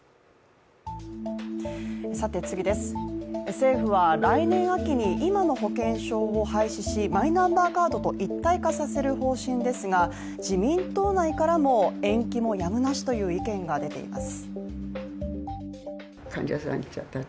政府は来年秋に今の保険証を廃止しマイナンバーカードと一体化させる方針ですが、自民党内からも、延期もやむなしという意見が出ています。